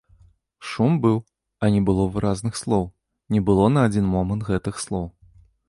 Шум быў, а не было выразных слоў, не было на адзін момант гэтых слоў.